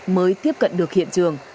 mới tiếp cận được hiện trường